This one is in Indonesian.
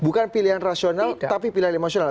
bukan pilihan rasional tapi pilihan emosional